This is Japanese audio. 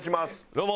どうも。